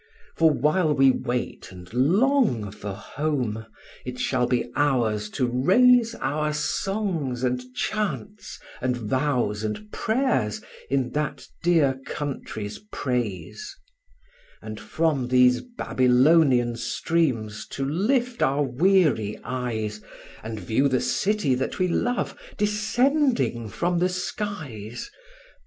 For while we wait and long for home, it shall be ours to raise Our songs and chants and vows and prayers in that dear country's praise; And from these Babylonian streams to lift our weary eyes, And view the city that we love descending from the skies.